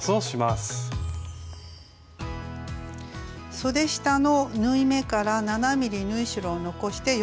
そで下の縫い目から７ｍｍ縫い代を残して余分な部分はカットします。